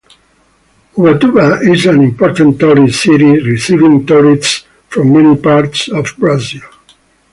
Ubatuba is an important tourist city, receiving tourists from many parts of Brazil.